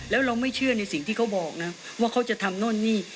แล้วเราไม่เชื่อในสิ่งที่เขาบอกนะว่าเขาจะทำโน่นนี่